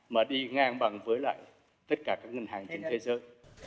mà đi ngang bằng với lại tất cả các ngân hàng trên thế giới